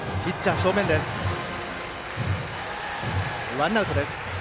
ワンアウトです。